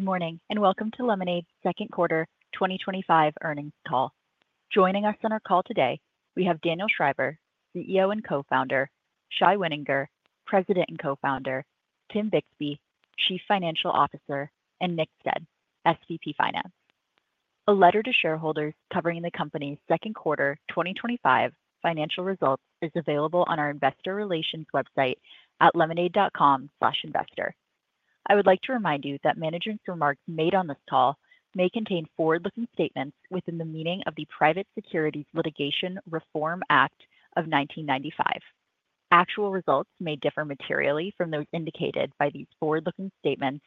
Good morning and welcome to Lemonade's second quarter 2025 earnings call. Joining us on our call today, we have Daniel Schreiber, CEO and Co-Founder, Shai Wininger, President and Co-Founder, Tim Bixby, Chief Financial Officer, and Nicholas Stead, SVP Finance. A letter to shareholders covering the company's second quarter 2025 financial results is available on our investor relations website at lemonade.com/investor. I would like to remind you that management's remarks made on this call may contain forward-looking statements within the meaning of the Private Securities Litigation Reform Act of 1995. Actual results may differ materially from those indicated by these forward-looking statements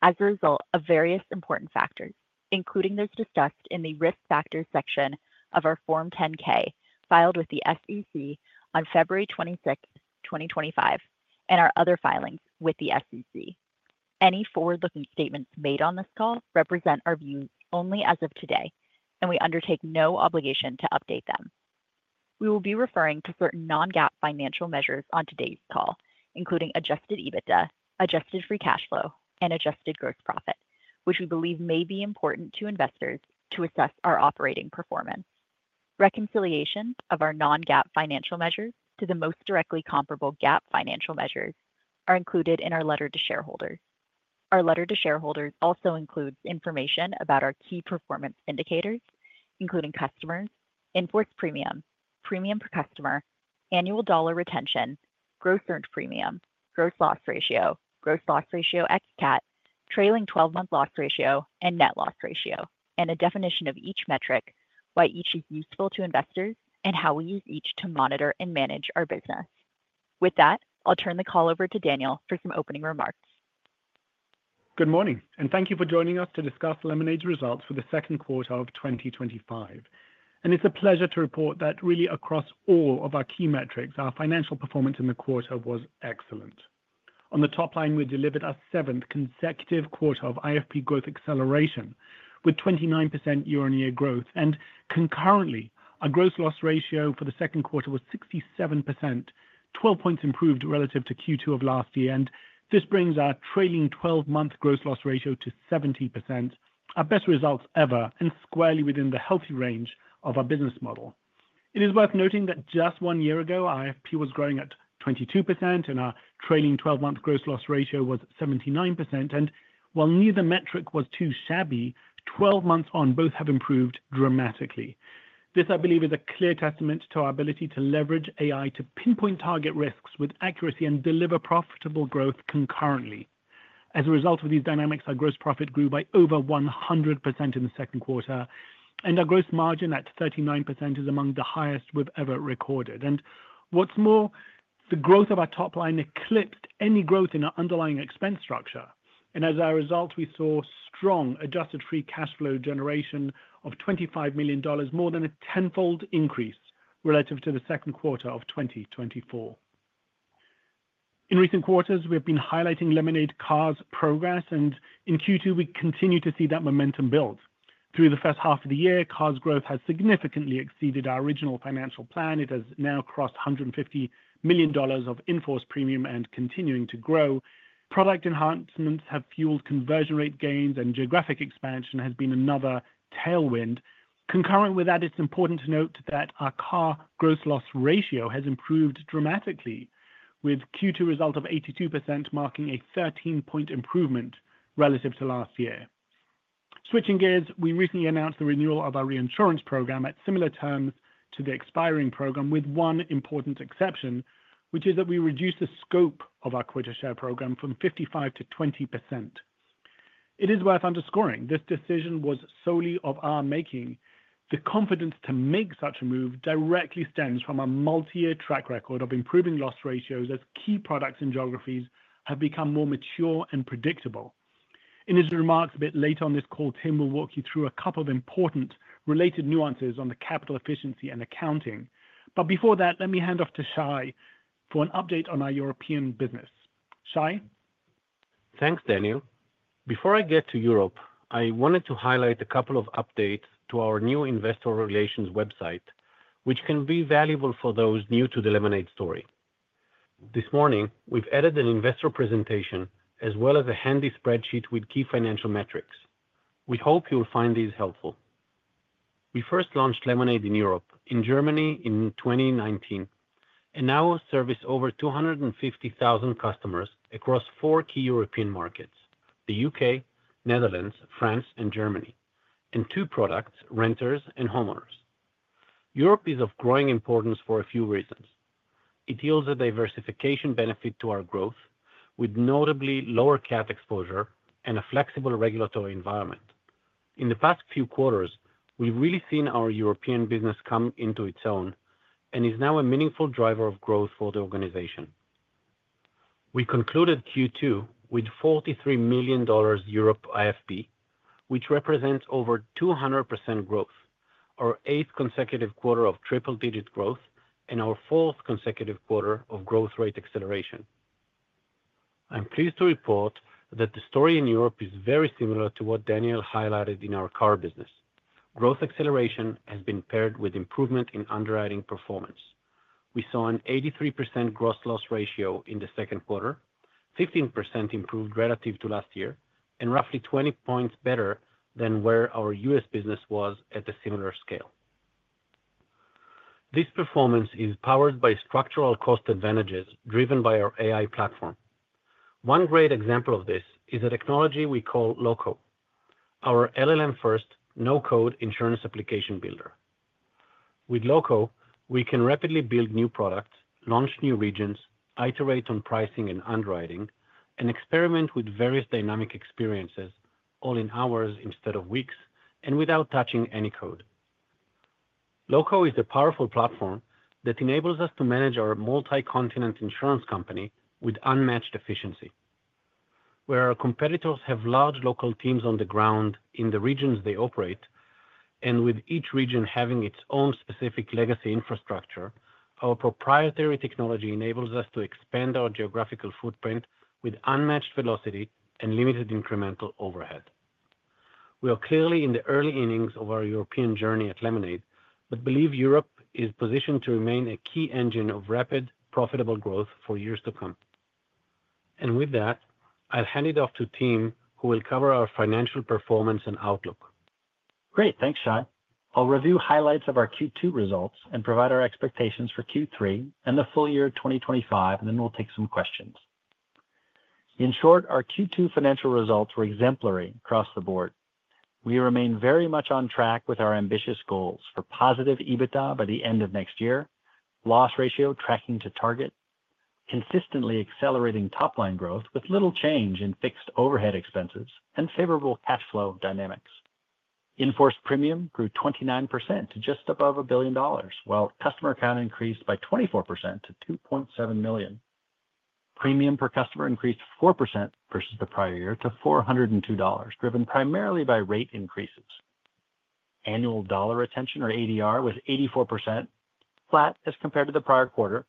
as a result of various important factors, including those discussed in the Risk Factors section of our Form 10-K filed with the SEC on February 26, 2025, and our other filings with the SEC. Any forward-looking statements made on this call represent our views only as of today, and we undertake no obligation to update them. We will be referring to certain non-GAAP financial measures on today's call, including Adjusted EBITDA, Adjusted Gross Profit, which we believe may be important to investors to assess our operating performance. Reconciliations of our non-GAAP financial measures to the most directly comparable GAAP financial measures are included in our letter to shareholders. Our letter to shareholders also includes information about our key performance indicators, including customers, Inforce Premium, trailing 12-month loss ratio, and Net Loss Ratio, and a definition of each metric, why each is useful to investors, and how we use each to monitor and manage our business. With that, I'll turn the call over to Daniel for some opening remarks. Good morning, and thank you for joining us to discuss Lemonade's results for the second quarter of 2025. It's a pleasure to report that really across all of our key metrics, our financial performance in the quarter was excellent. On the top line, we delivered our seventh consecutive quarter of IFP growth acceleration with 29% year-on-year growth, and concurrently, our Gross Loss Ratio for the second quarter was 67%, 12 points improved relative to Q2 of last year. This brings our trailing 12-month Gross Loss Ratio to 70%, our best results ever, and squarely within the healthy range of our business model. It is worth noting that just one year ago, our IFP was growing at 22%, and our trailing 12-month Gross Loss Ratio was 79%, and while neither metric was too shabby, 12 months on both have improved dramatically. This, I believe, is a clear testament to our ability to leverage AI to pinpoint target risks with accuracy and deliver profitable growth concurrently. As a result of these dynamics, our gross profit grew by over 100% in the second quarter, and our gross margin at 39% is among the highest we've ever recorded. What's more, the growth of our top line eclipsed any growth in our underlying expense structure, and as a result, we saw strong Adjusted Free Cash Flow generation of $25 million, more than a tenfold increase relative to the second quarter of 2024. In recent quarters, we have been highlighting Lemonade Cars' progress, and in Q2, we continue to see that momentum build. Through the first half of the year, Cars' growth has significantly exceeded our original financial plan. It has now crossed $150 million of Inforce Premium and continuing to grow. Product enhancements have fueled conversion rate gains, and geographic expansion has been another tailwind. Concurrent with that, it's important to note that our car Gross Loss Ratio has improved dramatically, with Q2 results of 82% marking a 13-point improvement relative to last year. Switching gears, we recently announced the renewal of our reinsurance program at similar terms to the expiring program, with one important exception, which is that we reduced the scope of our Quota Share program from 55% to 20%. It is worth underscoring this decision was solely of our making. The confidence to make such a move directly stems from our multi-year track record of improving loss ratios as key products and geographies have become more mature and predictable. In his remarks a bit later on this call, Tim will walk you through a couple of important related nuances on the capital efficiency and accounting. Before that, let me hand off to Shai for an update on our European business. Shai. Thanks, Daniel. Before I get to Europe, I wanted to highlight a couple of updates to our new investor relations website, which can be valuable for those new to the Lemonade story. This morning, we've added an investor presentation as well as a handy spreadsheet with key financial metrics. We hope you'll find these helpful. We first launched Lemonade in Europe in Germany in 2019, and now service over 250,000 customers across four key European markets: the UK, Netherlands, France, and Germany, and two products: renters and homeowners. Europe is of growing importance for a few reasons. It yields a diversification benefit to our growth, with notably lower CAT exposure and a flexible regulatory environment. In the past few quarters, we've really seen our European business come into its own and is now a meaningful driver of growth for the organization. We concluded Q2 with $43 million Europe IFP, which represents over 200% growth, our eighth consecutive quarter of triple-digit growth, and our fourth consecutive quarter of growth rate acceleration. I'm pleased to report that the story in Europe is very similar to what Daniel highlighted in our car business. Growth acceleration has been paired with improvement in underwriting performance. We saw an 83% Gross Loss Ratio in the second quarter, 15% improved relative to last year, and roughly 20 points better than where our U.S. business was at a similar scale. This performance is powered by structural cost advantages driven by our AI platform. One great example of this is a technology we call Loco, our LLM-first no-code insurance application builder. With Loco, we can rapidly build new products, launch new regions, iterate on pricing and underwriting, and experiment with various dynamic experiences, all in hours instead of weeks, and without touching any code. Loco is a powerful platform that enables us to manage our multi-continent insurance company with unmatched efficiency. Where our competitors have large local teams on the ground in the regions they operate, and with each region having its own specific legacy infrastructure, our proprietary technology enables us to expand our geographical footprint with unmatched velocity and limited incremental overhead. We are clearly in the early innings of our European journey at Lemonade, but believe Europe is positioned to remain a key engine of rapid, profitable growth for years to come. With that, I'll hand it off to Tim, who will cover our financial performance and outlook. Great, thanks, Shai. I'll review highlights of our Q2 results and provide our expectations for Q3 and the full year 2025, and then we'll take some questions. In short, our Q2 financial results were exemplary across the board. We remain very much on track with our ambitious goals for positive EBITDA by the end of next year, loss ratio tracking to target, consistently accelerating top-line growth with little change in fixed overhead expenses, and favorable cash flow dynamics. Inforce Premium grew 29% to just above $1 billion, while customer count increased by 24% to 2.7 million. Premium per customer increased 4% versus the prior year to $402, driven primarily by rate increases. Annual Dollar Retention, or ADR, was 84%, flat as compared to the prior quarter,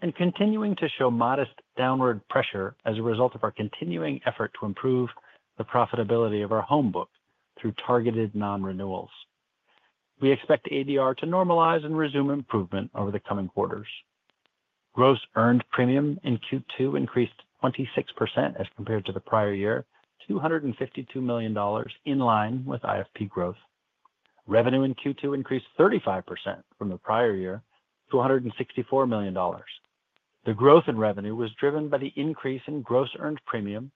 and continuing to show modest downward pressure as a result of our continuing effort to improve the profitability of our home book through targeted non-renewals. We expect ADR to normalize and resume improvement Gross Earned Premium in q2 increased 26% as compared to the prior year, $252 million, in line with IFP growth. Revenue in Q2 increased 35% from the prior year, $264 million. The growth in revenue was driven Gross Earned Premium,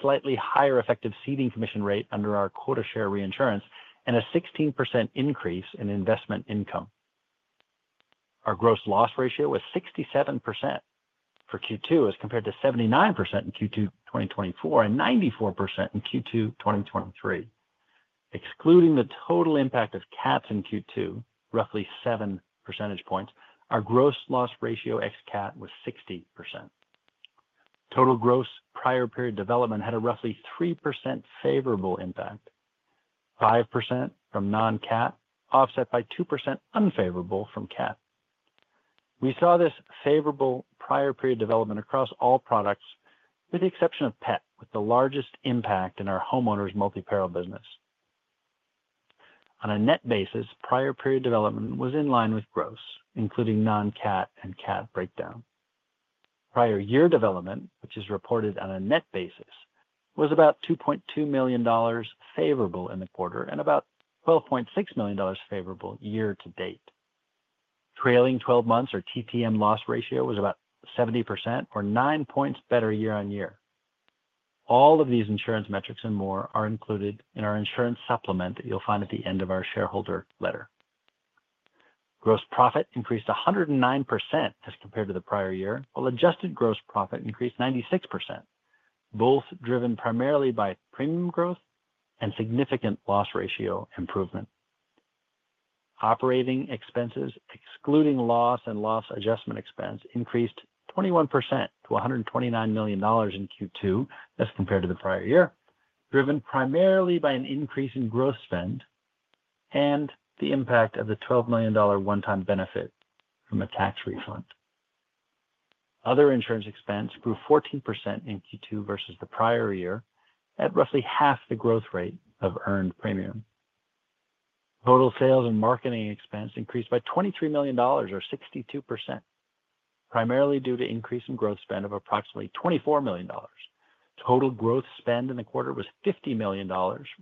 slightly higher effective seeding commission rate under our Quota Share reinsurance, and a 16% increase in investment income. Our Gross Loss Ratio was 67% for Q2 as compared to 79% in Q2 2024 and 94% in Q2 2023. Excluding the total impact of CATs in Q2, roughly seven percentage points, our Gross Loss Ratio ex-CAT was 60%. Total gross prior period development had a roughly 3% favorable impact, 5% from non-CAT, offset by 2% unfavorable from CAT. We saw this favorable prior period development across all products, with the exception of pet insurance, with the largest impact in our homeowners insurance multi-parallel business. On a net basis, prior period development was in line with gross, including non-CAT and CAT breakdown. Prior year development, which is reported on a net basis, was about $2.2 million favorable in the quarter and about $12.6 million favorable year to date. Trailing 12-month Gross Loss Ratio was about 70% or nine points better year-on-year. All of these insurance metrics and more are included in our insurance supplement that you'll find at the end of our shareholder letter. Gross profit increased 109% as compared to the prior Adjusted Gross Profit increased 96%, both driven primarily by premium growth and significant loss ratio improvement. Operating expenses, excluding loss and loss adjustment expense, increased 21% to $129 million in Q2 as compared to the prior year, driven primarily by an increase in gross spend and the impact of the $12 million one-time benefit from a tax refund. Other insurance expense grew 14% in Q2 versus the prior year at roughly half the growth rate of earned premium. Total sales and marketing expense increased by $23 million, or 62%, primarily due to increase in gross spend of approximately $24 million. Total gross spend in the quarter was $50 million,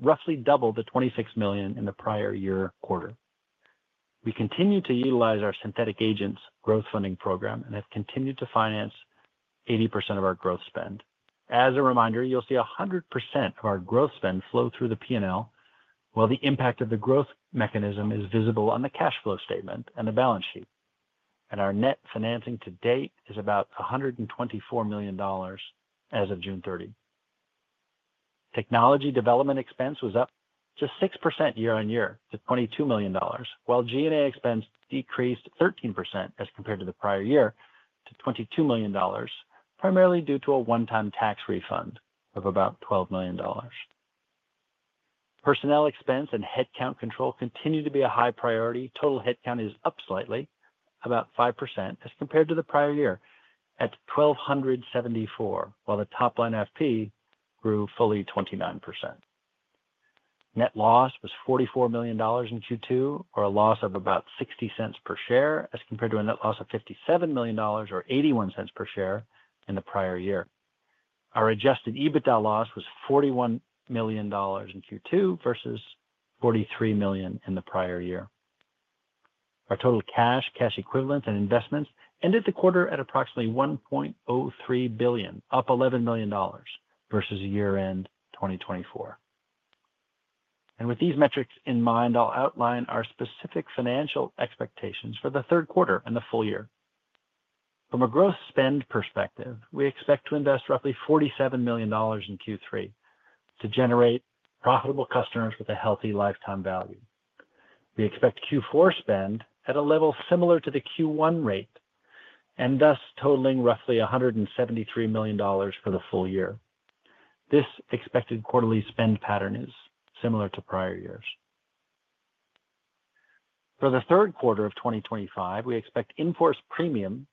roughly double the $26 million in the prior year quarter. We continue to utilize our Synthentic Agent Growth Funding Program and have continued to finance 80% of our gross spend. As a reminder, you'll see 100% of our gross spend flow through the P&L, while the impact of the growth mechanism is visible on the cash flow statement and the balance sheet. Our net financing to date is about $124 million as of June 30. Technology development expense was up just 6% year-on-year to $22 million, while G&A expense decreased 13% as compared to the prior year to $22 million, primarily due to a one-time tax refund of about $12 million. Personnel expense and headcount control continue to be a high priority. Total headcount is up slightly, about 5% as compared to the prior year at 1,274, while the top line IFP grew fully 29%. Net loss was $44 million in Q2, or a loss of about $0.60 per share as compared to a net loss of $57 million, or $0.81 per share in the prior year. Our Adjusted EBITDA loss was $41 million in Q2 versus $43 million in the prior year. Our total cash, cash equivalents, and investments ended the quarter at approximately $1.03 billion, up $11 million versus year-end 2024. With these metrics in mind, I'll outline our specific financial expectations for the third quarter and the full year. From a gross spend perspective, we expect to invest roughly $47 million in Q3 to generate profitable customers with a healthy lifetime value. We expect Q4 spend at a level similar to the Q1 rate and thus totaling roughly $173 million for the full year. This expected quarterly spend pattern is similar to prior years. For the third quarter of 2025, we expect Inforce Premium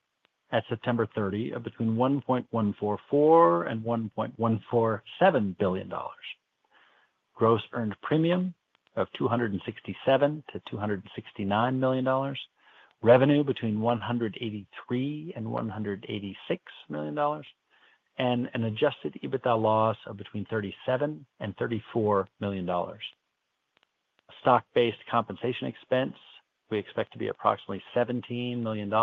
at September 30 of between $1.144 and $1.147 billion. Gross Earned Premium of $267 to $269 million, revenue between $183 and $186 million, and an Adjusted EBITDA loss of between $37 and $34 million. Stock-based compensation expense we expect to be approximately $17 million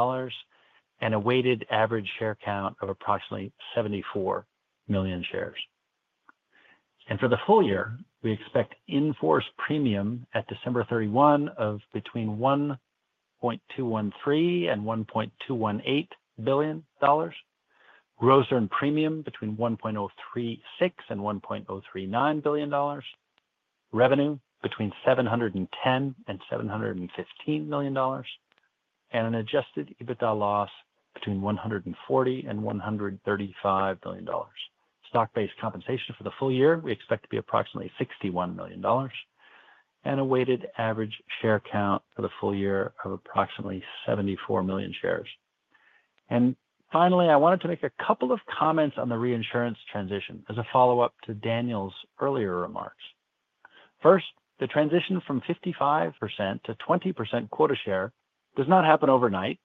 and a weighted average share count of approximately 74 million shares. For the full year, we expect Inforce Premium at December 31 of between Gross Earned Premium between $1.036 and $1.039 billion, revenue between $710 and $715 million, and an Adjusted EBITDA loss between $140 and $135 million. Stock-based compensation for the full year we expect to be approximately $61 million and a weighted average share count for the full year of approximately 74 million shares. Finally, I wanted to make a couple of comments on the reinsurance transition as a follow-up to Daniel's earlier remarks. First, the transition from 55% to 20% Quota Share does not happen overnight.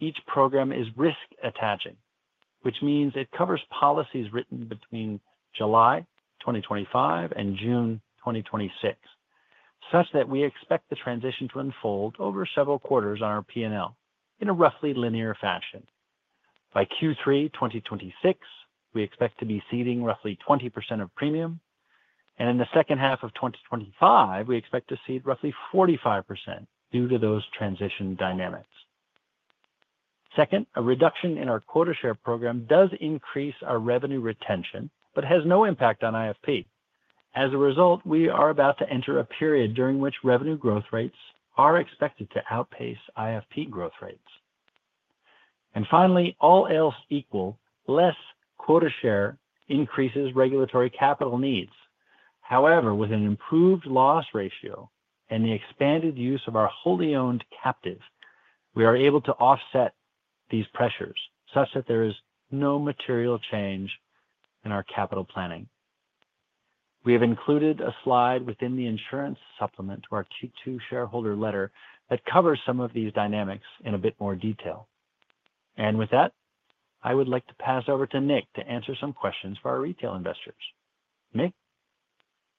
Each program is risk-attaching, which means it covers policies written between July 2025 and June 2026, such that we expect the transition to unfold over several quarters on our P&L in a roughly linear fashion. By Q3 2026, we expect to be seeding roughly 20% of premium, and in the second half of 2025, we expect to seed roughly 45% due to those transition dynamics. A reduction in our Quota Share program does increase our revenue retention but has no impact on IFP. As a result, we are about to enter a period during which revenue growth rates are expected to outpace IFP growth rates. All else equal, less Quota Share increases regulatory capital needs. However, with an improved loss ratio and the expanded use of our wholly owned captive, we are able to offset these pressures such that there is no material change in our capital planning. We have included a slide within the insurance supplement to our Q2 shareholder letter that covers some of these dynamics in a bit more detail. With that, I would like to pass over to Nick to answer some questions for our retail investors. Nick?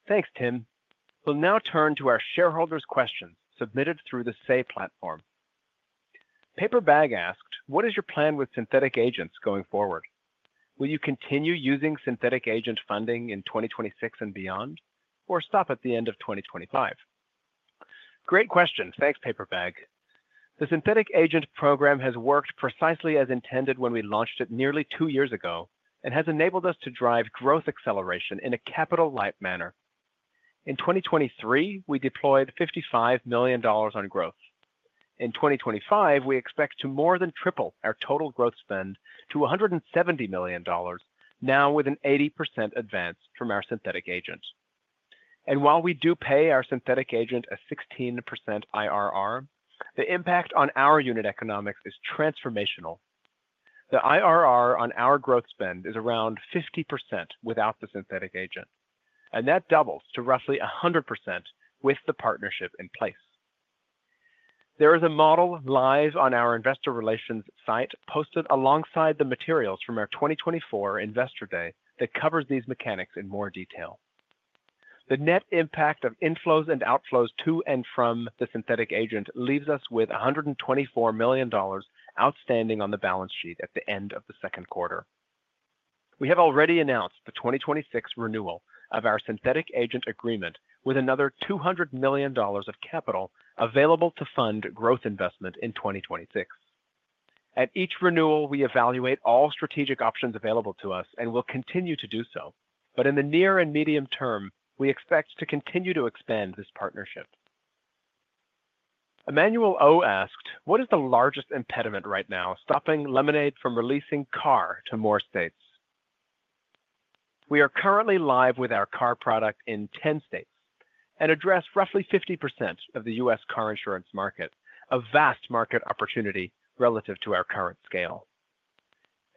Thanks, Tim. We'll now turn to our shareholders' questions submitted through the SAY platform. Paper Bag asks, "What is your plan with Synthentic Agents going forward? Will you continue using Synthentic Agent funding in 2026 and beyond, or stop at the end of 2025?" Great question. Thanks, Paper Bag. The Synthentic Agent program has worked precisely as intended when we launched it nearly two years ago and has enabled us to drive growth acceleration in a capital-light manner. In 2023, we deployed $55 million on growth. In 2025, we expect to more than triple our total growth spend to $170 million, now with an 80% advance from our Synthentic Agent. While we do pay our Synthentic Agent a 16% IRR, the impact on our unit economics is transformational. The IRR on our growth spend is around 50% without the Synthentic Agent, and that doubles to roughly 100% with the partnership in place. There is a model live on our investor relations site posted alongside the materials from our 2024 Investor Day that covers these mechanics in more detail. The net impact of inflows and outflows to and from the Synthentic Agent leaves us with $124 million outstanding on the balance sheet at the end of the second quarter. We have already announced the 2026 renewal of our Synthentic Agent agreement with another $200 million of capital available to fund growth investment in 2026. At each renewal, we evaluate all strategic options available to us and will continue to do so, but in the near and medium term, we expect to continue to expand this partnership. Emmanuel O asks, "What is the largest impediment right now stopping Lemonade from releasing car to more states?" We are currently live with our car product in 10 states and address roughly 50% of the U.S. car insurance market, a vast market opportunity relative to our current scale.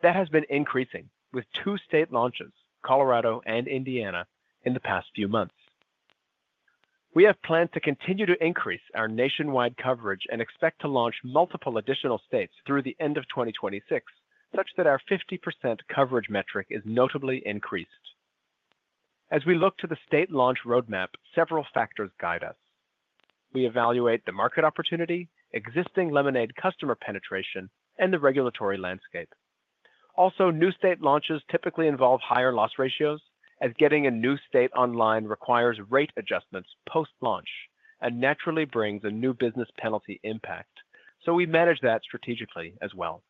That has been increasing with two state launches, Colorado and Indiana, in the past few months. We have plans to continue to increase our nationwide coverage and expect to launch multiple additional states through the end of 2026, such that our 50% coverage metric is notably increased. As we look to the state launch roadmap, several factors guide us. We evaluate the market opportunity, existing Lemonade customer penetration, and the regulatory landscape. Also, new state launches typically involve higher loss ratios, as getting a new state online requires rate adjustments post-launch and naturally brings a new business penalty impact, so we manage that strategically as well.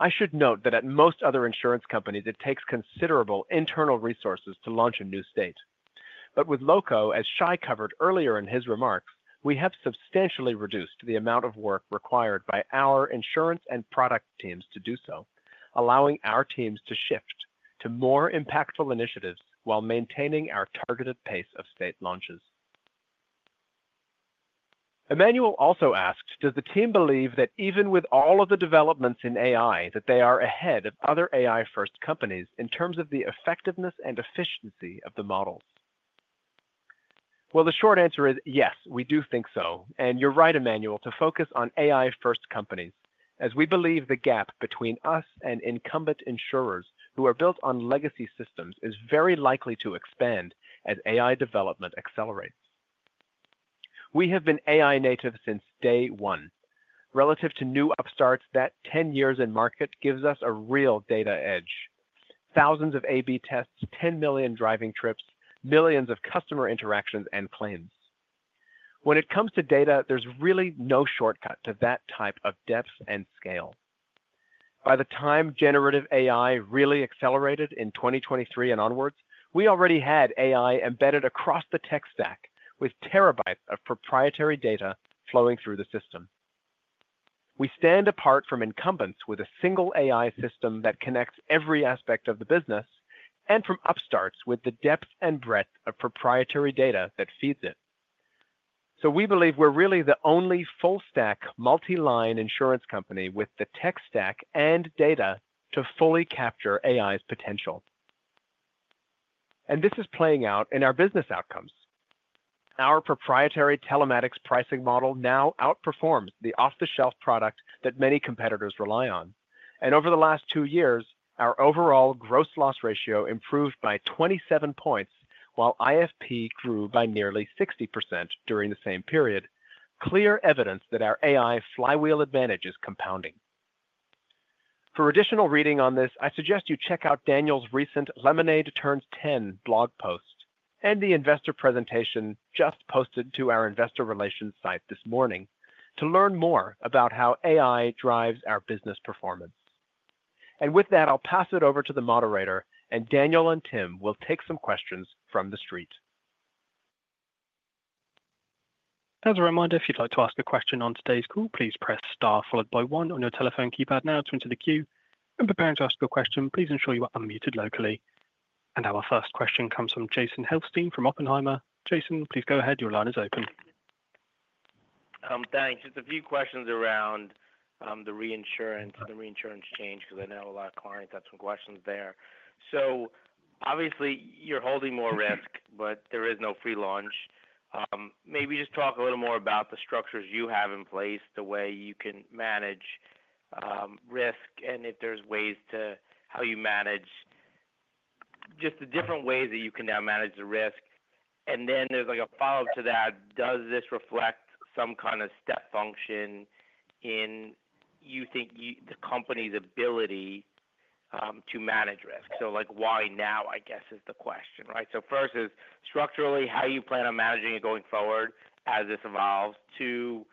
I should note that at most other insurance companies, it takes considerable internal resources to launch a new state. With Loco, as Shai covered earlier in his remarks, we have substantially reduced the amount of work required by our insurance and product teams to do so, allowing our teams to shift to more impactful initiatives while maintaining our targeted pace of state launches. Emmanuel also asked, "Does the team believe that even with all of the developments in AI, that they are ahead of other AI-first companies in terms of the effectiveness and efficiency of the models?" The short answer is yes, we do think so, and you're right, Emmanuel, to focus on AI-first companies, as we believe the gap between us and incumbent insurers who are built on legacy systems is very likely to expand as AI development accelerates. We have been AI-native since day one. Relative to new upstarts, that 10 years in market gives us a real data edge. Thousands of A/B tests, 10 million driving trips, millions of customer interactions, and claims. When it comes to data, there's really no shortcut to that type of depth and scale. By the time generative AI really accelerated in 2023 and onwards, we already had AI embedded across the tech stack with terabytes of proprietary data flowing through the system. We stand apart from incumbents with a single AI system that connects every aspect of the business and from upstarts with the depth and breadth of proprietary data that feeds it. We believe we're really the only full-stack, multi-line insurance company with the tech stack and data to fully capture AI's potential. This is playing out in our business outcomes. Our proprietary Telematics Pricing Model now outperforms the off-the-shelf product that many competitors rely on. Over the last two years, our overall Gross Loss Ratio improved by 27 points, while IFP grew by nearly 60% during the same period, clear evidence that our AI flywheel advantage is compounding. For additional reading on this, I suggest you check out Daniel's recent Lemonade Turns 10 blog post and the investor presentation just posted to our investor relations site this morning to learn more about how AI drives our business performance. I'll pass it over to the moderator, and Daniel and Tim will take some questions from the street. As a reminder, if you'd like to ask a question on today's call, please press star followed by one on your telephone keypad now to enter the queue. When preparing to ask your question, please ensure you are unmuted locally. Our first question comes from Jason Helfstein from Oppenheimer. Jason, please go ahead. Your line is open. Thanks. Just a few questions around the reinsurance or the reinsurance change because I know a lot of clients had some questions there. Obviously, you're holding more risk, but there is no free lunch. Maybe just talk a little more about the structures you have in place, the way you can manage risk, and if there's ways to how you manage just the different ways that you can now manage the risk. There's a follow-up to that. Does this reflect some kind of step function in, you think, the company's ability to manage risk? Why now, I guess, is the question, right? First is structurally, how do you plan on managing it going forward as this evolves? Two,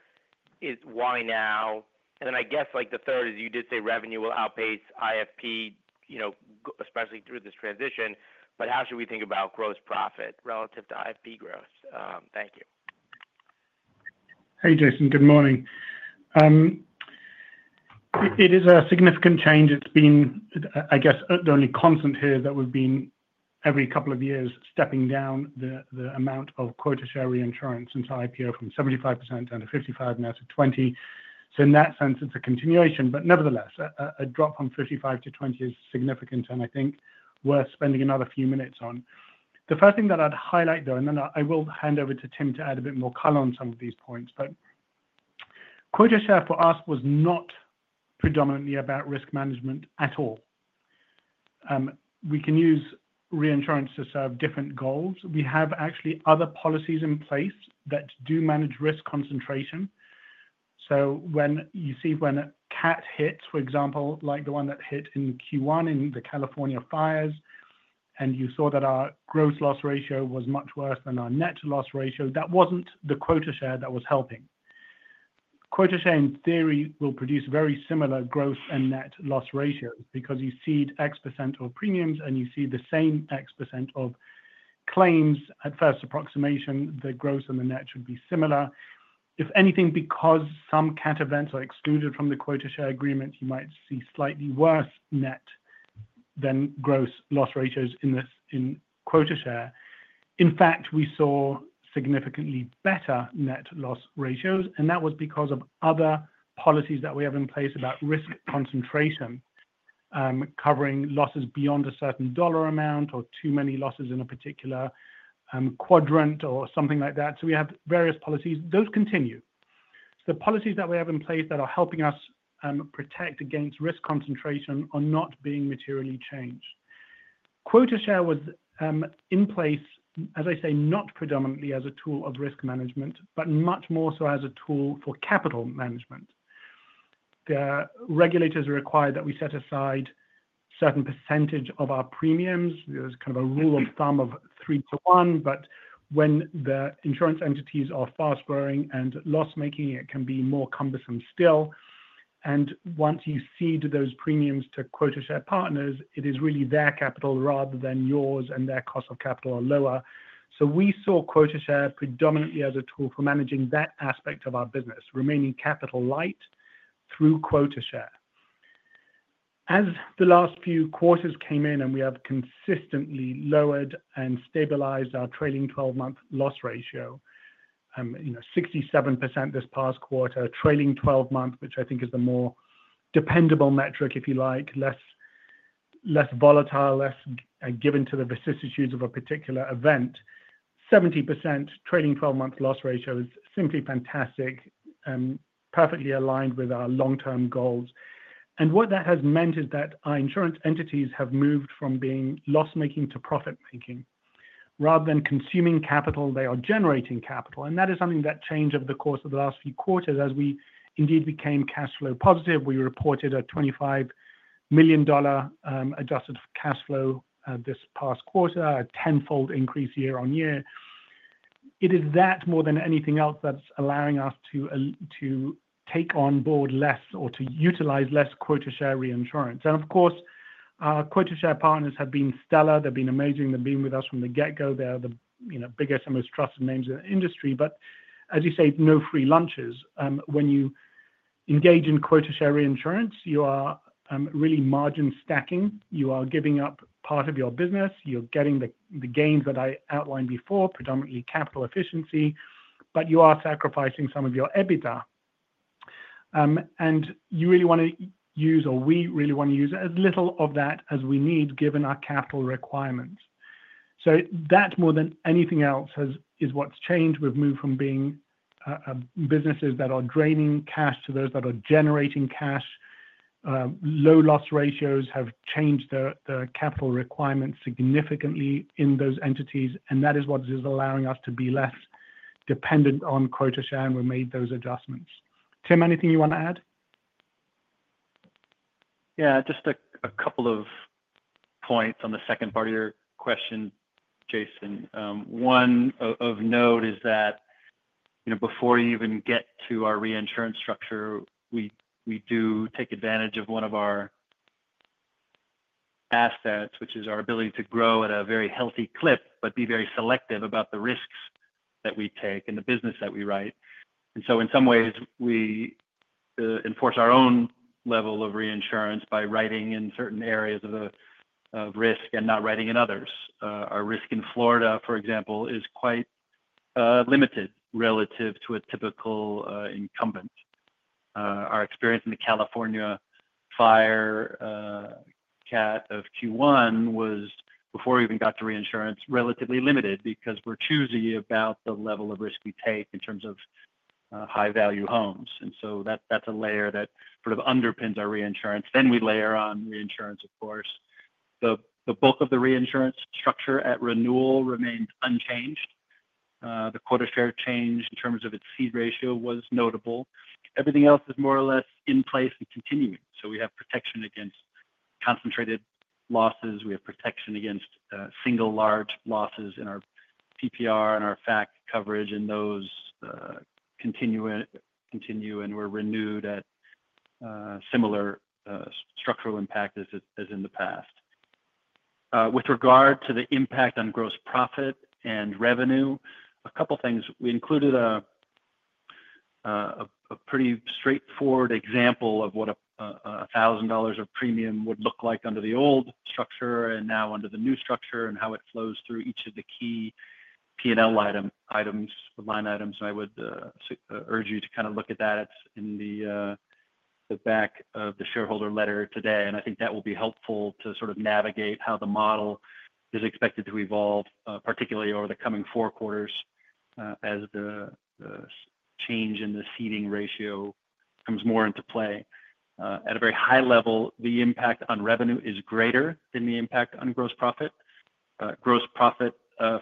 is why now? I guess the third is you did say revenue will outpace IFP, you know, especially through this transition, but how should we think about gross profit relative to IFP growth? Thank you. Hey, Jason. Good morning. It is a significant change. It's been, I guess, the only constant here that we've been every couple of years stepping down the amount of Quota Share reinsurance since IPO from 75% down to 55%, now to 20%. In that sense, it's a continuation, but nevertheless, a drop from 55% to 20% is significant and I think worth spending another few minutes on. The first thing that I'd highlight, though, and then I will hand over to Tim to add a bit more color on some of these points, but Quota Share for us was not predominantly about risk management at all. We can use reinsurance to serve different goals. We have actually other policies in place that do manage risk concentration. When you see when a CAT hits, for example, like the one that hit in Q1 in the California fires, and you saw that our Gross Loss Ratio was much worse than our Net Loss Ratio, that wasn't the Quota Share that was helping. Quota Share, in theory, will produce very similar gross and Net Loss Ratios because you seed X% of premiums and you seed the same X% of claims. At first approximation, the gross and the net should be similar. If anything, because some CAT events are excluded from the Quota Share agreement, you might see slightly worse net than Gross Loss Ratios in Quota Share. In fact, we saw significantly better Net Loss Ratios, and that was because of other policies that we have in place about risk concentration, covering losses beyond a certain dollar amount or too many losses in a particular quadrant or something like that. We have various policies. Those continue. The policies that we have in place that are helping us protect against risk concentration are not being materially changed. Quota Share was in place, as I say, not predominantly as a tool of risk management, but much more so as a tool for capital management. The regulators require that we set aside a certain percentage of our premiums. There's kind of a rule of thumb of three to one, but when the insurance entities are fast growing and loss-making, it can be more cumbersome still. Once you seed those premiums to Quota Share partners, it is really their capital rather than yours, and their cost of capital are lower. We saw Quota Share predominantly as a tool for managing that aspect of our business, remaining capital light through Quota Share. As the last few quarters came in, and we have consistently lowered Trailing 12-Month Loss Ratio, you know, 67% this past quarter, trailing 12-month, which I think is the more dependable metric, if you like, less volatile, less given to the vicissitudes of a Trailing 12-Month Loss Ratio. it's simply fantastic, perfectly aligned with our long-term goals. What that has meant is that our insurance entities have moved from being loss-making to profit-making. Rather than consuming capital, they are generating capital. That is something that changed over the course of the last few quarters as we indeed became cash flow positive. We reported a $25 million adjusted cash flow this past quarter, a tenfold increase year-on-year. It is that more than anything else that's allowing us to take on board less or to utilize less Quota Share reinsurance. Of course, our Quota Share partners have been stellar. They've been amazing. They've been with us from the get-go. They are the biggest and most trusted names in the industry. As you say, no free lunches. When you engage in Quota Share reinsurance, you are really margin stacking. You are giving up part of your business. You're getting the gains that I outlined before, predominantly capital efficiency, but you are sacrificing some of your EBITDA. You really want to use, or we really want to use as little of that as we need, given our capital requirements. That more than anything else is what's changed. We've moved from being businesses that are draining cash to those that are generating cash. Low loss ratios have changed the capital requirements significantly in those entities, and that is what is allowing us to be less dependent on Quota Share, and we've made those adjustments. Tim, anything you want to add? Yeah, just a couple of points on the second part of your question, Jason. One of note is that, before you even get to our reinsurance structure, we do take advantage of one of our assets, which is our ability to grow at a very healthy clip, but be very selective about the risks that we take and the business that we write. In some ways, we enforce our own level of reinsurance by writing in certain areas of risk and not writing in others. Our risk in Florida, for example, is quite limited relative to a typical incumbent. Our experience in the California fire CAT of Q1 was, before we even got to reinsurance, relatively limited because we're choosy about the level of risk we take in terms of high-value homes. That's a layer that underpins our reinsurance. We layer on reinsurance, of course. The bulk of the reinsurance structure at renewal remains unchanged. The Quota Share change in terms of its ceeding ratio was notable. Everything else is more or less in place and continuing. We have protection against concentrated losses. We have protection against single large losses in our PPR and our FAC coverage, and those continue and were renewed at similar structural impact as in the past. With regard to the impact on gross profit and revenue, a couple of things. We included a pretty straightforward example of what $1,000 of premium would look like under the old structure and now under the new structure and how it flows through each of the key P&L line items. I would urge you to look at that. It's in the back of the shareholder letter today. I think that will be helpful to navigate how the model is expected to evolve, particularly over the coming four quarters as the change in the seeding ratio comes more into play. At a very high level, the impact on revenue is greater than the impact on gross profit. Gross profit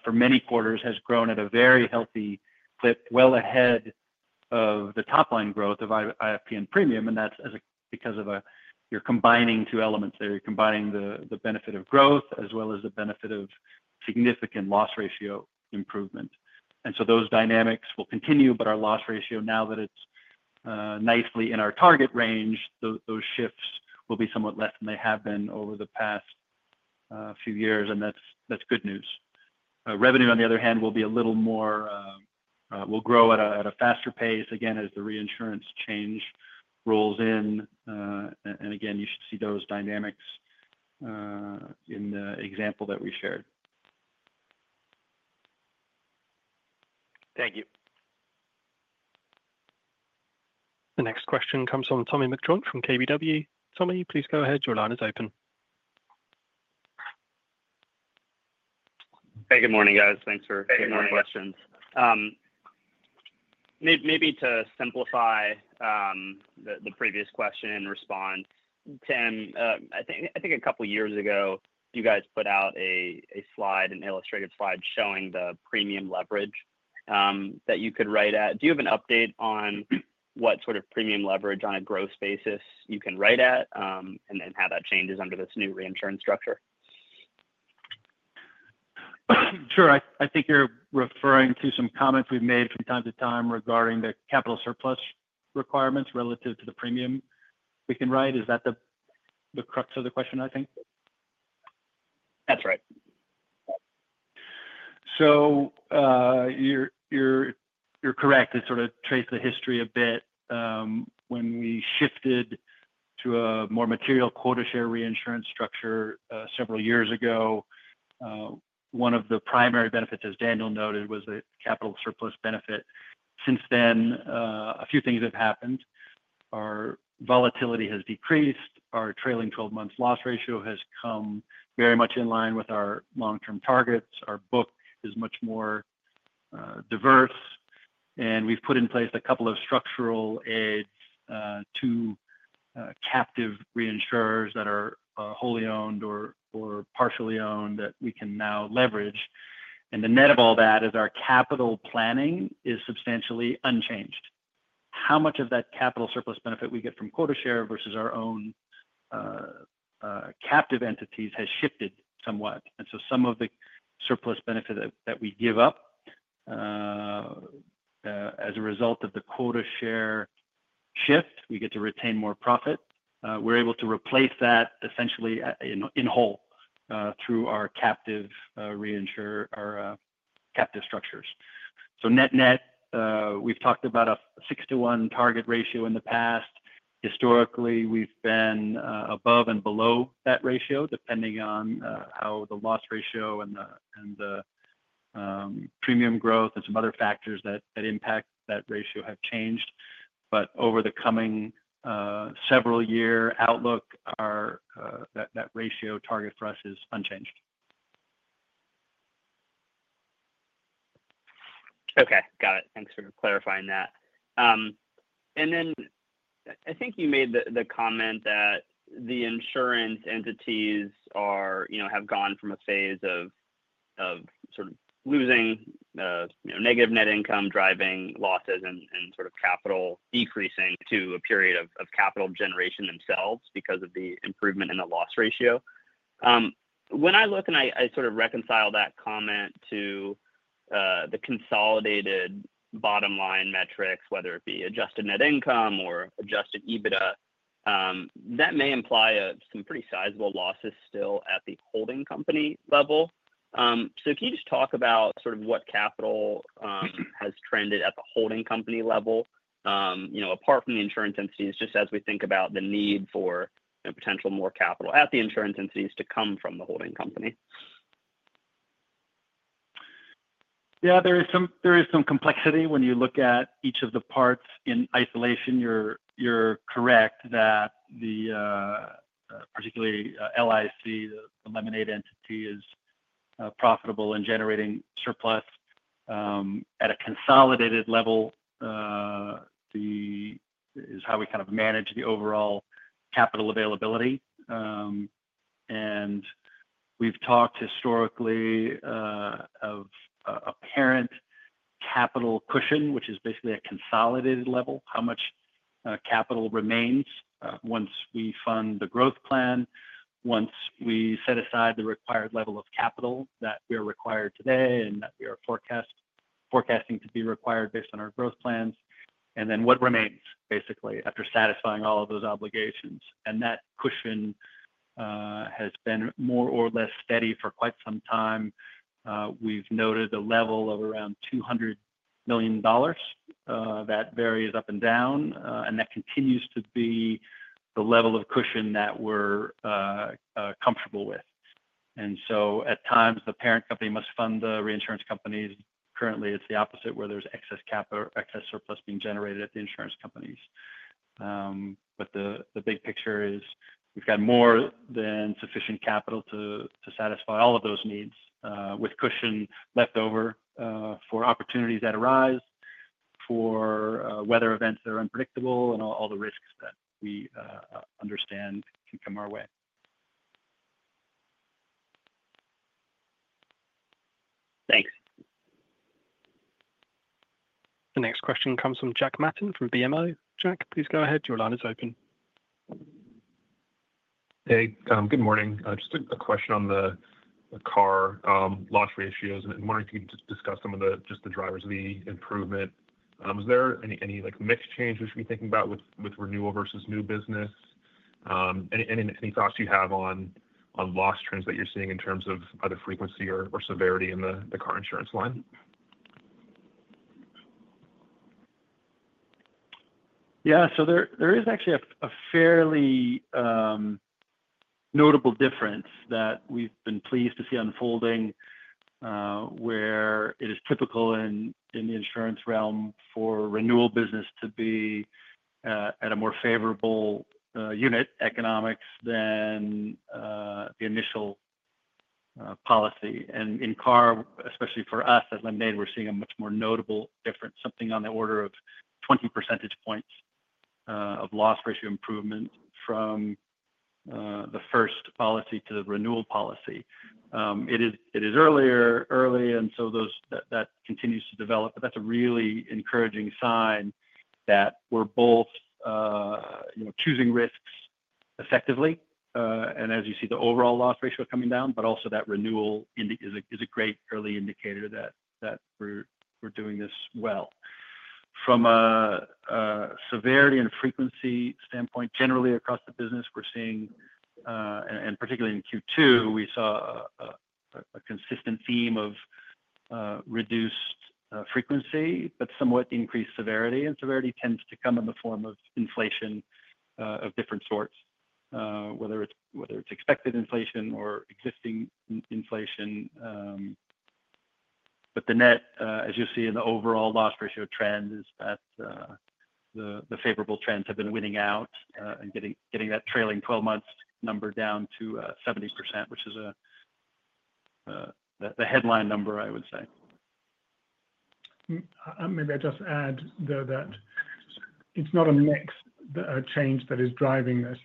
for many quarters has grown at a very healthy clip, well ahead of the top line growth of IFP and premium. That's because you're combining two elements there. You're combining the benefit of growth as well as the benefit of significant loss ratio improvement. Those dynamics will continue, but our loss ratio now that it's nicely in our target range, those shifts will be somewhat less than they have been over the past few years, and that's good news. Revenue, on the other hand, will be a little more, will grow at a faster pace again as the reinsurance change rolls in. You should see those dynamics in the example that we shared. Thank you. The next question comes from Tommy McJoynt from KBW. Tommy, please go ahead. Your line is open. Hey, good morning, guys. Thanks for hitting on questions. Maybe to simplify the previous question in response, Tim, I think a couple of years ago, you guys put out a slide, an illustrated slide showing the premium leverage that you could write at. Do you have an update on what sort of premium leverage on a gross basis you can write at and how that changes under this new reinsurance structure? Sure. I think you're referring to some comments we've made from time to time regarding the capital surplus requirements relative to the premium we can write. Is that the crux of the question, I think? That's right. You're correct to sort of trace the history a bit. When we shifted to a more material Quota Share reinsurance structure several years ago, one of the primary benefits, as Daniel noted, was the capital surplus benefit. Since then, a few things have happened. Our volatility has decreased. Our trailing 12-month Gross Loss Ratio has come very much in line with our long-term targets. Our book is much more diverse. We've put in place a couple of structural aids to captive reinsurers that are wholly owned or partially owned that we can now leverage. The net of all that is our capital planning is substantially unchanged. How much of that capital surplus benefit we get from Quota Share versus our own captive entities has shifted somewhat. Some of the surplus benefit that we give up as a result of the Quota Share shift, we get to retain more profit. We're able to replace that essentially in whole through our captive reinsurer, our captive structures. Net-net, we've talked about a 6 to 1 target ratio in the past. Historically, we've been above and below that ratio depending on how the Gross Loss Ratio and the premium growth and some other factors that impact that ratio have changed. Over the coming several-year outlook, that ratio target for us is unchanged. Okay. Got it. Thanks for clarifying that. I think you made the comment that the insurance entities have gone from a phase of sort of losing negative net income, driving losses and sort of capital decreasing to a period of capital generation themselves because of the improvement in the loss ratio. When I look and I sort of reconcile that comment to the consolidated bottom line metrics, whether it be adjusted net income or Adjusted EBITDA, that may imply some pretty sizable losses still at the holding company level. Can you just talk about sort of what capital has trended at the holding company level, you know, apart from the insurance entities, just as we think about the need for potential more capital at the insurance entities to come from the holding company? Yeah, there is some complexity when you look at each of the parts in isolation. You're correct that particularly LIC, the Lemonade entity, is profitable and generating surplus. At a consolidated level, it is how we kind of manage the overall capital availability. We've talked historically of a parent capital cushion, which is basically at a consolidated level, how much capital remains once we fund the growth plan, once we set aside the required level of capital that we are required today and that we are forecasting to be required based on our growth plans, and then what remains, basically, after satisfying all of those obligations. That cushion has been more or less steady for quite some time. We've noted a level of around $200 million that varies up and down, and that continues to be the level of cushion that we're comfortable with. At times, the parent company must fund the reinsurance companies. Currently, it's the opposite where there's excess capital, excess surplus being generated at the insurance companies. The big picture is we've got more than sufficient capital to satisfy all of those needs, with cushion left over for opportunities that arise, for weather events that are unpredictable, and all the risks that we understand can come our way. Thanks. The next question comes from Jack Matten from BMO. Jack, please go ahead. Your line is open. Hey, good morning. Just a question on the car loss ratios and wondering if you could discuss some of the drivers of the improvement. Is there any mixed change we should be thinking about with renewal versus new business? Any thoughts you have on loss trends that you're seeing in terms of either frequency or severity in the car insurance line? Yeah, so there is actually a fairly notable difference that we've been pleased to see unfolding, where it is typical in the insurance realm for renewal business to be at more favorable unit economics than the initial policy. In car, especially for us at Lemonade, we're seeing a much more notable difference, something on the order of 20 percentage points of loss ratio improvement from the first policy to the renewal policy. It is early, and that continues to develop, but that's a really encouraging sign that we're both choosing risks effectively. As you see, the overall loss ratio coming down, but also that renewal is a great early indicator that we're doing this well. From a severity and frequency standpoint, generally across the business, we're seeing, and particularly in Q2, we saw a consistent theme of reduced frequency, but somewhat increased severity. Severity tends to come in the form of inflation of different sorts, whether it's expected inflation or existing inflation. The net, as you see in the overall loss ratio trend, is that the favorable trends have been winning out and getting that trailing 12-month number down to 70%, which is the headline number, I would say. Maybe I just add, though, that it's not a mix change that is driving this.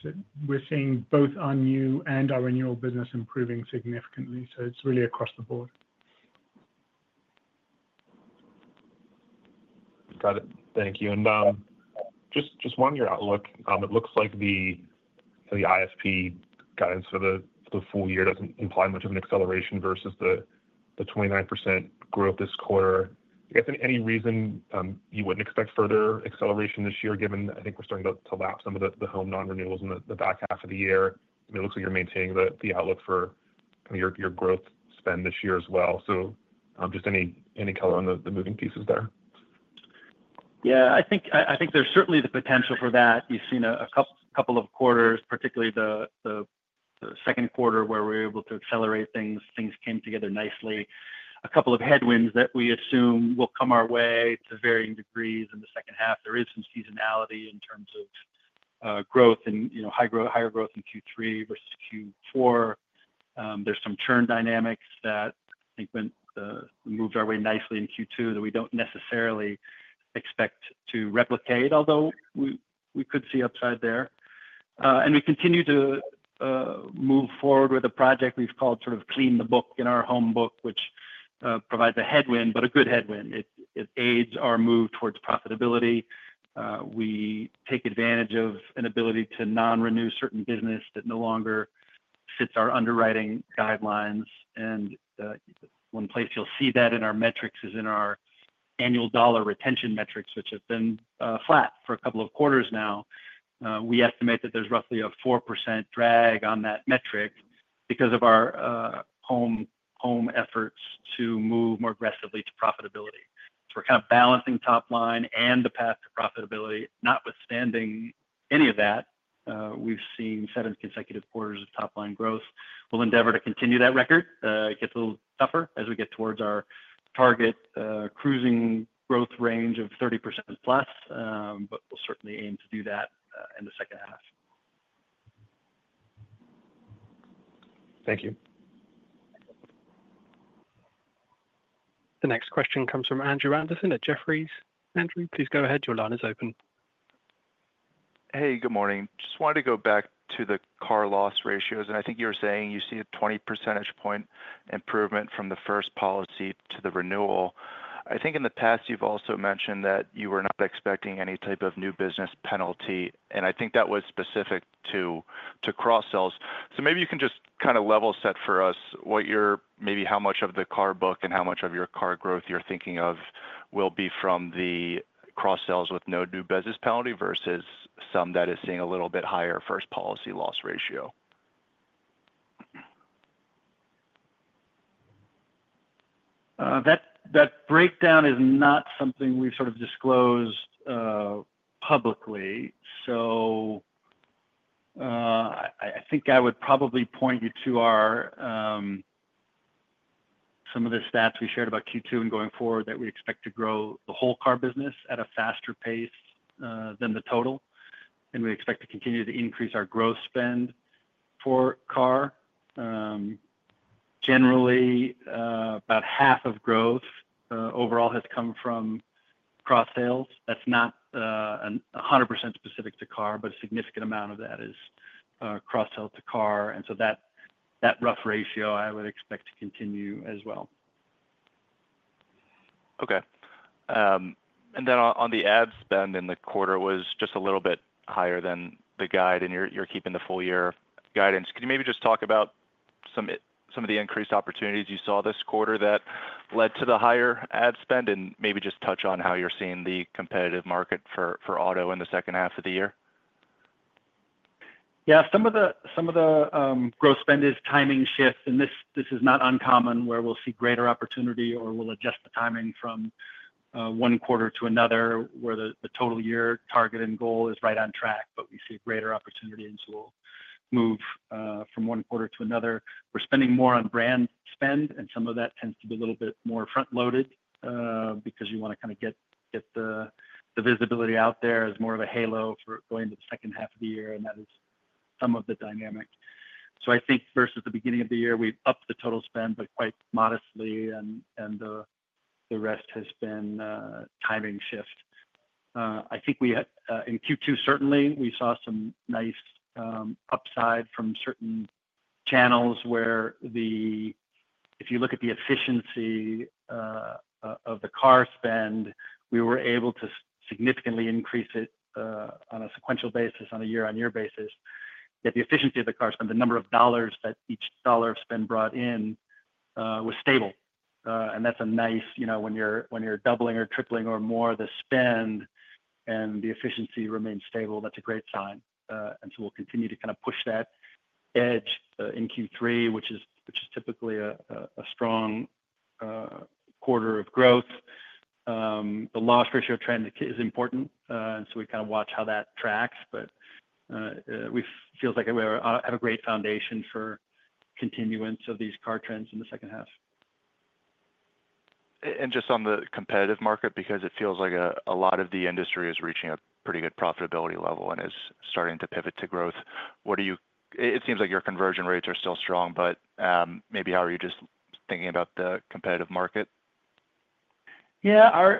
We're seeing both our new and our renewal business improving significantly. It's really across the board. Got it. Thank you. Just on your outlook, it looks like the IFP guidance for the full year doesn't imply much of an acceleration versus the 29% growth this quarter. I guess any reason you wouldn't expect further acceleration this year, given I think we're starting to lapse some of the home non-renewals in the back half of the year? It looks like you're maintaining the outlook for your growth spend this year as well. Just any color on the moving pieces there? Yeah, I think there's certainly the potential for that. You've seen a couple of quarters, particularly the second quarter where we were able to accelerate things. Things came together nicely. A couple of headwinds that we assume will come our way to varying degrees in the second half. There is some seasonality in terms of growth and higher growth in Q3 versus Q4. There's some churn dynamics that I think moved our way nicely in Q2 that we don't necessarily expect to replicate, although we could see upside there. We continue to move forward with a project we've called sort of Clean the Book in our home book, which provides a headwind, but a good headwind. It aids our move towards profitability. We take advantage of an ability to non-renew certain business that no longer fits our underwriting guidelines. One place you'll see that in our metrics is in our Annual Dollar Retention metrics, which have been flat for a couple of quarters now. We estimate that there's roughly a 4% drag on that metric because of our home efforts to move more aggressively to profitability. We're kind of balancing top line and the path to profitability, notwithstanding any of that. We've seen seven consecutive quarters of top line growth. We'll endeavor to continue that record. It gets a little tougher as we get towards our target cruising growth range of 30% plus, but we'll certainly aim to do that in the second half. Thank you. The next question comes from Andrew Kligerman at Jefferies. Andrew, please go ahead. Your line is open. Hey, good morning. Just wanted to go back to the car loss ratios, and I think you were saying you see a 20% improvement from the first policy to the renewal. I think in the past, you've also mentioned that you were not expecting any type of new business penalty, and I think that was specific to cross-sells. Maybe you can just kind of level set for us what you're, maybe how much of the car book and how much of your car growth you're thinking of will be from the cross-sells with no new business penalty versus some that is seeing a little bit higher first policy loss ratio. That breakdown is not something we've disclosed publicly. I think I would probably point you to some of the stats we shared about Q2 and going forward that we expect to grow the whole car business at a faster pace than the total. We expect to continue to increase our growth spend for car. Generally, about half of growth overall has come from cross-sales. That's not 100% specific to car, but a significant amount of that is cross-sell to car. That rough ratio I would expect to continue as well. Okay. On the ad spend in the quarter, it was just a little bit higher than the guide, and you're keeping the full year guidance. Could you maybe just talk about some of the increased opportunities you saw this quarter that led to the higher ad spend, and maybe just touch on how you're seeing the competitive market for auto in the second half of the year? Yeah, some of the growth spend is timing shifts, and this is not uncommon where we'll see greater opportunity or we'll adjust the timing from one quarter to another where the total year target and goal is right on track, but we see greater opportunity and we'll move from one quarter to another. We're spending more on brand spend, and some of that tends to be a little bit more front-loaded because you want to kind of get the visibility out there as more of a halo for going to the second half of the year, and that is some of the dynamic. I think versus the beginning of the year, we've upped the total spend, but quite modestly, and the rest has been a timing shift. I think we had in Q2, certainly, we saw some nice upside from certain channels where if you look at the efficiency of the car spend, we were able to significantly increase it on a sequential basis, on a year-on-year basis, yet the efficiency of the car spend, the number of dollars that each dollar of spend brought in was stable. That's a nice, you know, when you're doubling or tripling or more the spend and the efficiency remains stable, that's a great sign. We'll continue to kind of push that edge in Q3, which is typically a strong quarter of growth. The loss ratio trend is important, and we kind of watch how that tracks, but it feels like we have a great foundation for continuance of these car trends in the second half. On the competitive market, it feels like a lot of the industry is reaching a pretty good profitability level and is starting to pivot to growth. It seems like your conversion rates are still strong, but maybe how are you just thinking about the competitive market? Yeah,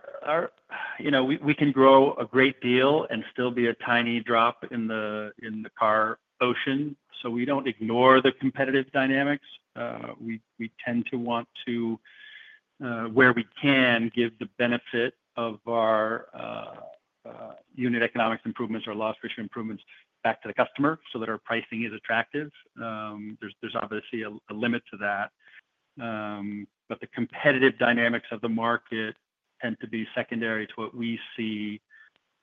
we can grow a great deal and still be a tiny drop in the car ocean. We do not ignore the competitive dynamics. We tend to want to, where we can, give the benefit of our unit economics improvements or loss ratio improvements back to the customer so that our pricing is attractive. There is obviously a limit to that. The competitive dynamics of the market tend to be secondary to what we see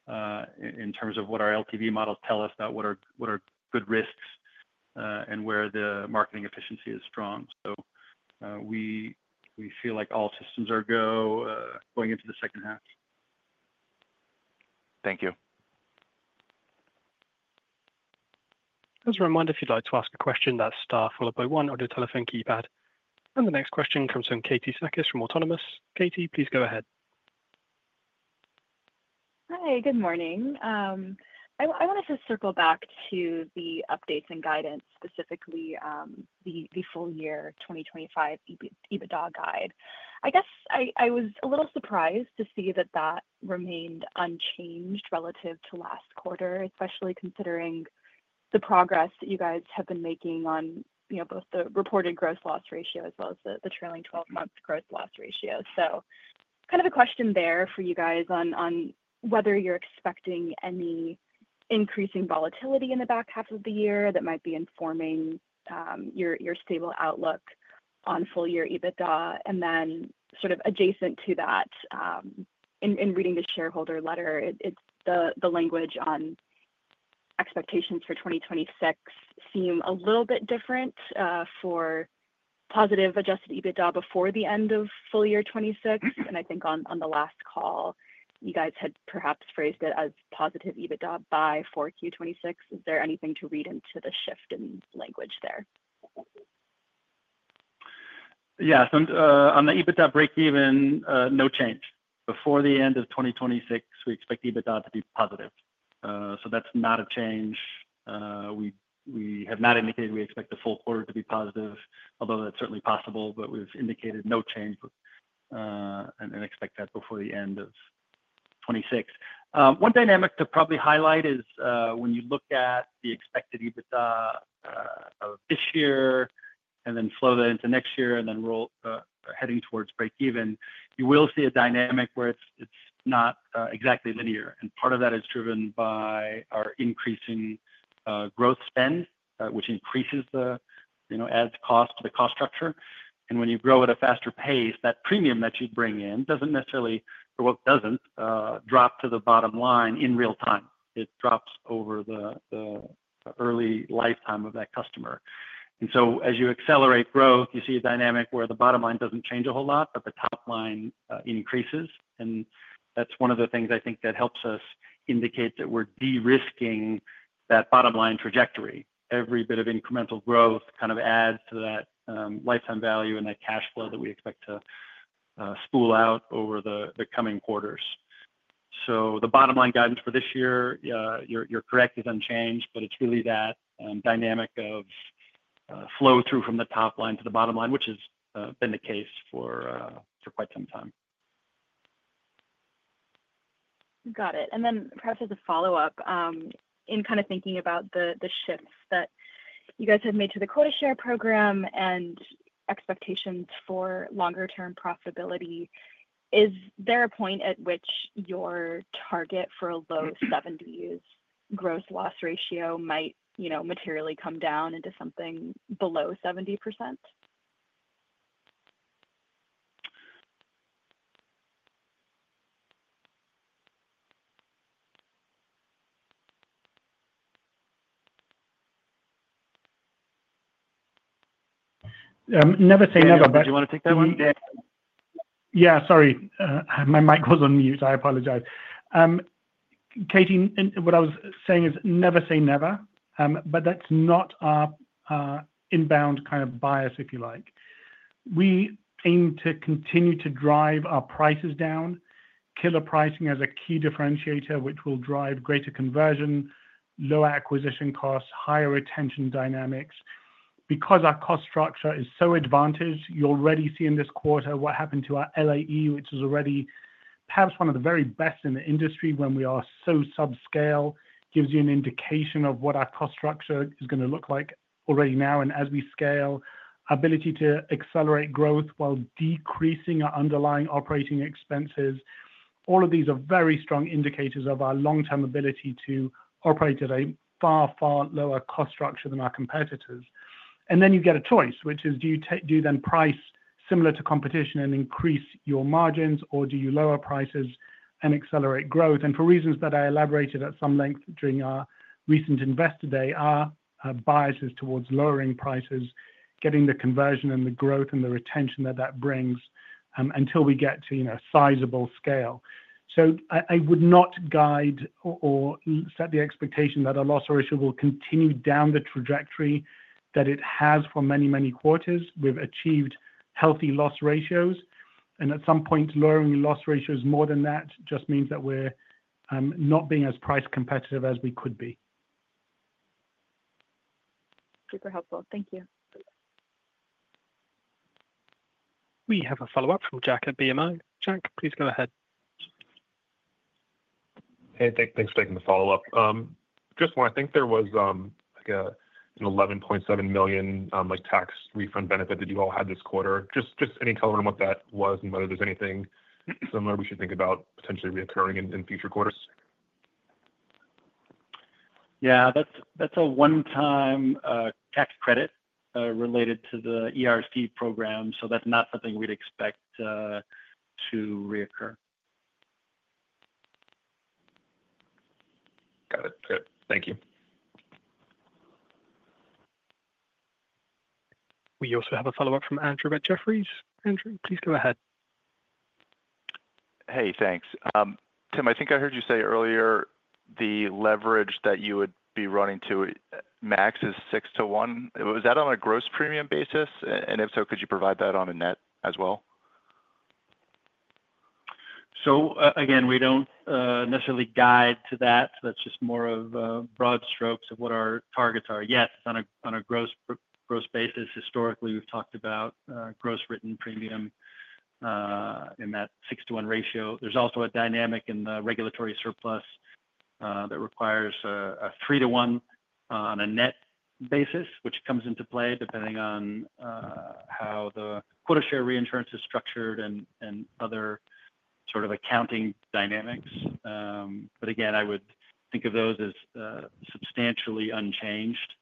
in terms of what our LTV models tell us about what are good risks and where the marketing efficiency is strong. We feel like all systems are going into the second half. Thank you. As a reminder, if you'd like to ask a question, that's star followed by one on your telephone keypad. The next question comes from Katie Sakys from Autonomous. Katie, please go ahead. Hi, good morning. I wanted to circle back to the updates and guidance, specifically the full year 2025 EBITDA guide. I was a little surprised to see that that remained unchanged relative to last quarter, especially considering the progress that you guys have been making on both the reported Gross Loss Ratio as well as the trailing 12-month Gross Loss Ratio. I have a question there for you guys on whether you're expecting any increasing volatility in the back half of the year that might be informing your stable outlook on full-year EBITDA. Adjacent to that, in reading the shareholder letter, the language on expectations for 2026 seemed a little bit different for positive Adjusted EBITDA before the end of full year 2026. I think on the last call, you guys had perhaps phrased it as positive EBITDA by 4Q26. Is there anything to read into the shift in language there? Yeah, so on the EBITDA breakeven, no change. Before the end of 2026, we expect EBITDA to be positive. That's not a change. We have not indicated we expect the full quarter to be positive, although that's certainly possible, but we've indicated no change and expect that before the end of 2026. One dynamic to probably highlight is when you look at the expected EBITDA of this year and then flow that into next year and then roll heading towards breakeven, you will see a dynamic where it's not exactly linear. Part of that is driven by our increasing growth spend, which increases the added cost for the cost structure. When you grow at a faster pace, that premium that you'd bring in doesn't necessarily, or it doesn't, drop to the bottom line in real time. It drops over the early lifetime of that customer. As you accelerate growth, you see a dynamic where the bottom line doesn't change a whole lot, but the top line increases. That's one of the things I think that helps us indicate that we're de-risking that bottom line trajectory. Every bit of incremental growth kind of adds to that lifetime value and that cash flow that we expect to spool out over the coming quarters. The bottom line guidance for this year, you're correct, is unchanged, but it's really that dynamic of flow through from the top line to the bottom line, which has been the case for quite some time. Got it. Perhaps as a follow-up, in kind of thinking about the shifts that you guys have made to the Quota Share program and expectations for longer-term profitability, is there a point at which your target for a low 70s Gross Loss Ratio might materially come down into something below 70%? Never say never. Do you want to take that one? Yeah, sorry. My mic was on mute. I apologize. Katie, what I was saying is never say never, but that's not our inbound kind of bias, if you like. We aim to continue to drive our prices down, killer pricing as a key differentiator, which will drive greater conversion, lower acquisition costs, higher retention dynamics. Because our cost structure is so advantaged, you're already seeing this quarter what happened to our LAE, which is already perhaps one of the very best in the industry when we are so sub-scale, gives you an indication of what our cost structure is going to look like already now. As we scale, our ability to accelerate growth while decreasing our underlying operating expenses, all of these are very strong indicators of our long-term ability to operate at a far, far lower cost structure than our competitors. You get a choice, which is do you then price similar to competition and increase your margins, or do you lower prices and accelerate growth? For reasons that I elaborated at some length during our recent Investor Day, our bias is towards lowering prices, getting the conversion and the growth and the retention that that brings until we get to sizable scale. I would not guide or set the expectation that our loss ratio will continue down the trajectory that it has for many, many quarters. We've achieved healthy loss ratios. At some points, lowering loss ratios more than that just means that we're not being as price-competitive as we could be. Super helpful. Thank you. We have a follow-up from Jack at BMO. Jack, please go ahead. Hey, thanks for taking the follow-up. Just one, I think there was like an $11.7 million tax refund benefit that you all had this quarter. Just any color on what that was and whether there's anything similar we should think about potentially reoccurring in future quarters? Yeah, that's a one-time tax credit related to the ERC program. That's not something we'd expect to reoccur. Got it. Good. Thank you. We also have a follow-up from Andrew Andersen at Jefferies. Andrew, please go ahead. Hey, thanks. Tim, I think I heard you say earlier the leverage that you would be running to max is six to one. Was that on a gross premium basis? If so, could you provide that on a net as well? We don't necessarily guide to that. That's just more of broad strokes of what our targets are. Yes, on a gross basis, historically, we've talked about gross written premium in that six-to-one ratio. There's also a dynamic in the regulatory surplus that requires a three-to-one on a net basis, which comes into play depending on how the Quota Share reinsurance is structured and other sort of accounting dynamics. I would think of those as substantially unchanged.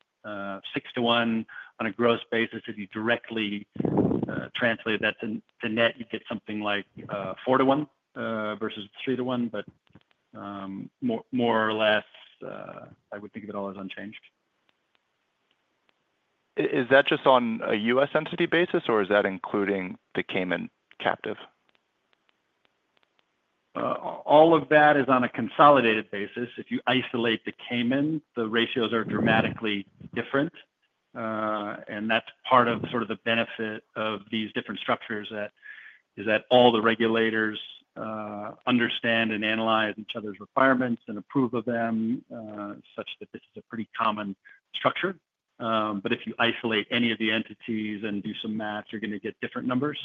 Six-to-one on a gross basis, if you directly translate that to net, you'd get something like four-to-one versus three-to-one, but more or less, I would think of it all as unchanged. Is that just on a U.S. entity basis, or is that including the Cayman captive? All of that is on a consolidated basis. If you isolate the Cayman, the ratios are dramatically different. That is part of the benefit of these different structures, as all the regulators understand and analyze each other's requirements and approve of them, such that this is a pretty common structure. If you isolate any of the entities and do some math, you're going to get different numbers.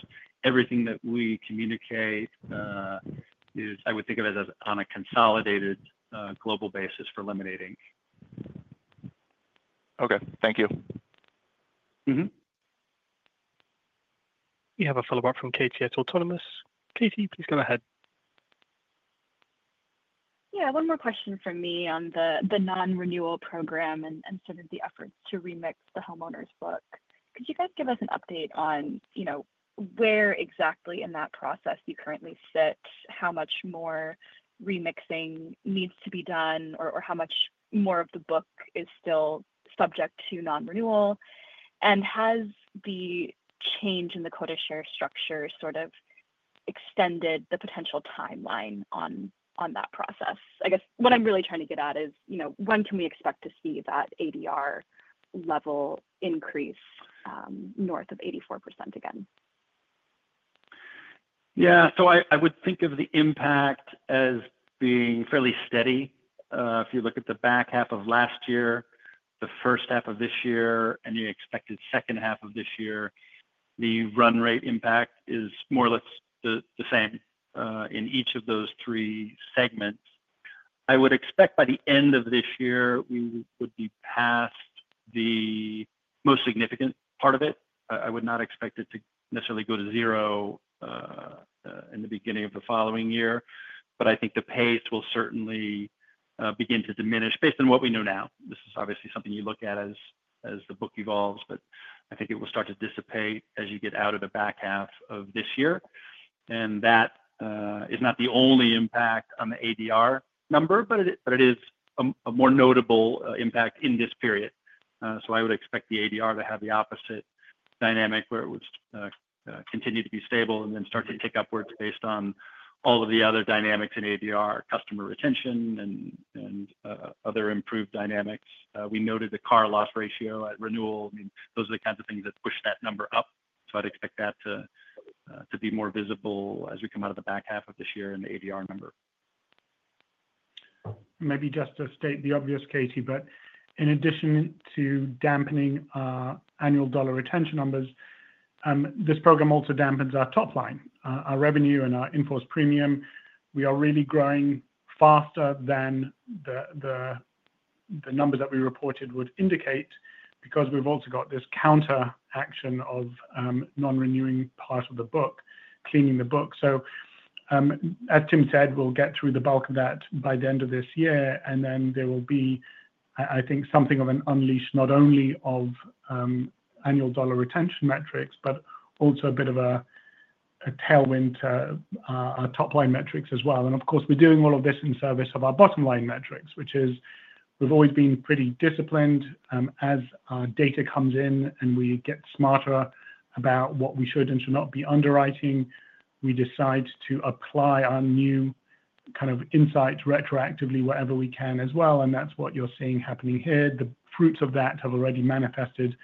Everything that we communicate is, I would think of it as, on a consolidated global basis for Lemonade Inc. Okay, thank you. We have a follow-up from Katie at Autonomous Research. Katie, please go ahead. Yeah, one more question from me on the non-renewal program and sort of the efforts to remix the homeowners insurance book. Could you guys give us an update on, you know, where exactly in that process you currently sit, how much more remixing needs to be done, or how much more of the book is still subject to non-renewal? Has the change in the Quota Share structure sort of extended the potential timeline on that process? I guess what I'm really trying to get at is, you know, when can we expect to see that ADR level increase north of 84% again? Yeah, so I would think of the impact as being fairly steady. If you look at the back half of last year, the first half of this year, and the expected second half of this year, the run rate impact is more or less the same in each of those three segments. I would expect by the end of this year, we would be past the most significant part of it. I would not expect it to necessarily go to zero in the beginning of the following year, but I think the pace will certainly begin to diminish based on what we know now. This is obviously something you look at as the book evolves, but I think it will start to dissipate as you get out of the back half of this year. That is not the only impact on the ADR number, but it is a more notable impact in this period. I would expect the ADR to have the opposite dynamic where it would continue to be stable and then start to tick upwards based on all of the other dynamics in ADR, customer retention, and other improved dynamics. We noted the car loss ratio at renewal. Those are the kinds of things that push that number up. I would expect that to be more visible as we come out of the back half of this year in the ADR number. Maybe just to state the obvious, Katie, but in addition to dampening Annual Dollar Retention numbers, this program also dampens our top line, our revenue, and our Inforce Premium. We are really growing faster than the numbers that we reported would indicate because we've also got this counteraction of non-renewing part of the book, cleaning the book. As Tim said, we'll get through the bulk of that by the end of this year, and then there will be, I think, something of an unleash not only of Annual Dollar Retention metrics, but also a bit of a tailwind to our top line metrics as well. Of course, we're doing all of this in service of our bottom line metrics, which is we've always been pretty disciplined. As our data comes in and we get smarter about what we should and should not be underwriting, we decide to apply our new kind of insights retroactively wherever we can as well. That's what you're seeing happening here. The fruits of that have already manifested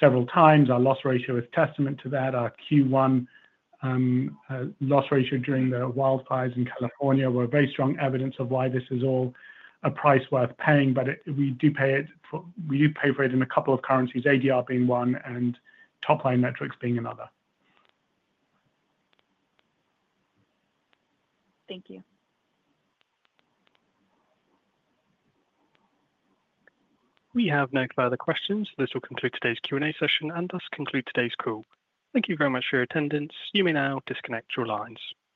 several times. Our loss ratio is a testament to that. Our Q1 loss ratio during the wildfires in California were very strong evidence of why this is all a price worth paying, but we do pay for it in a couple of currencies, ADR being one and top line metrics being another. Thank you. We have no further questions. This will conclude today's Q&A session and thus conclude today's call. Thank you very much for your attendance. You may now disconnect your lines.